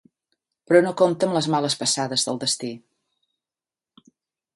Però no compta amb les males passades del destí.